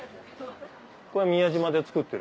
これ宮島で作ってる？